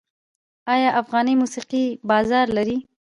آیا افغاني موسیقي بازار لري؟